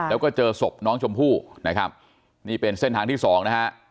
แล้วก็เจอศพน้องชมพู่นะครับนี่เป็นเส้นทางที่สองนะฮะ